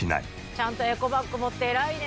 ちゃんとエコバッグ持って偉いね。